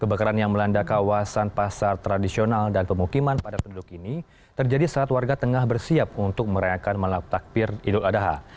kebakaran yang melanda kawasan pasar tradisional dan pemukiman padat penduduk ini terjadi saat warga tengah bersiap untuk merayakan malam takbir idul adha